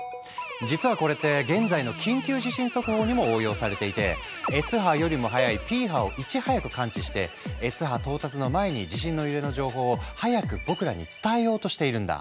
実はこれって現在の緊急地震速報にも応用されていてＳ波よりも速いＰ波をいち早く感知してＳ波到達の前に地震の揺れの情報を早く僕らに伝えようとしているんだ。